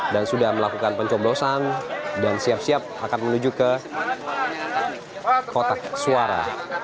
dan sudah melakukan pencombrosan dan siap siap akan menuju ke kotak suara